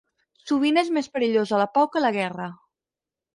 Sovint és més perillosa la pau que la guerra.